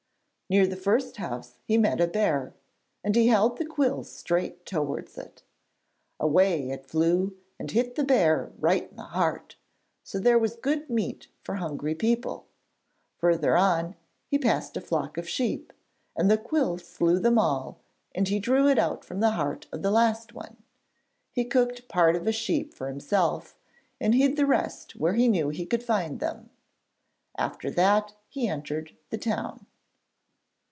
Near the first house he met a bear and he held the quill straight towards it. Away it flew and hit the bear right in the heart; so there was good meat for hungry people. Further on, he passed a flock of sheep, and the quill slew them all and he drew it out from the heart of the last one. He cooked part of a sheep for himself and hid the rest where he knew he could find them. After that he entered the town.